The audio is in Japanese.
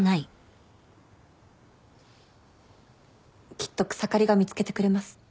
きっと草刈が見つけてくれます。